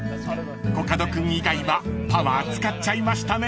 ［コカド君以外はパワー使っちゃいましたね］